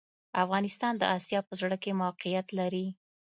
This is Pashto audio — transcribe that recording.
افغانستان د اسیا په زړه کي موقیعت لري